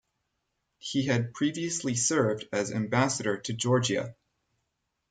He had previously served as Ambassador to Georgia.